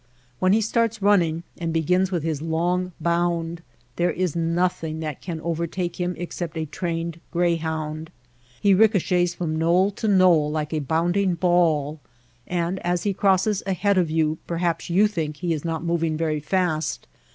When he starts running and begins with his long bound, there is nothing that can overtake him except a trained greyhound. He ricochets from knoll to knoll like a bounding DESERT ANIMALS 163 ball, and as he crosses ahead of yon perhaps yon think he is not moving very fast.